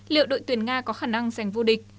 liệu đội tuyển nga có khả năng giành vô địch